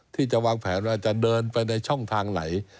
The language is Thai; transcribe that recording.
ที่จะวางแผนว่าจะเดินไปในช่องทางไหน